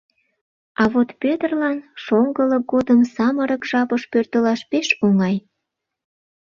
А вот Пӧтырлан шоҥгылык годым самырык жапыш пӧртылаш пеш оҥай.